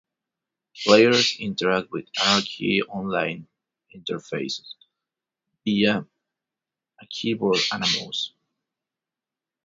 Players interact with "Anarchy Online"'s interface via a keyboard and mouse.